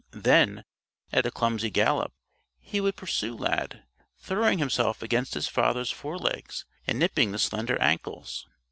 Then, at a clumsy gallop, he would pursue Lad, throwing himself against his father's forelegs and nipping the slender ankles.